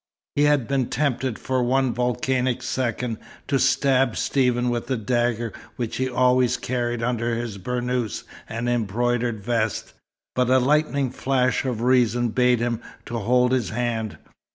He had been tempted for one volcanic second to stab Stephen with the dagger which he always carried under his burnous and embroidered vest, but a lightning flash of reason bade him hold his hand.